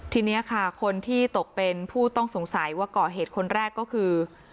ทีนี้ค่ะคนที่ตกเป็นผู้ต้องสงสัยว่าก่อเหตุคนแรกก็คือ